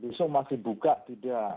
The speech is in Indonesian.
besok masih buka tidak